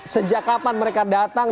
sejak kapan mereka datang